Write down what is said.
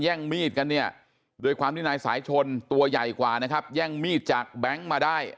มีดกันเนี่ยโดยความที่นายสายชนตัวใหญ่กว่านะครับแย่งมีดจากแบงค์มาได้